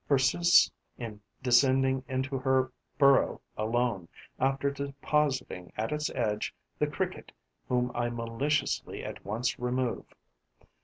persists in descending into her burrow alone, after depositing at its edge the Cricket whom I maliciously at once remove.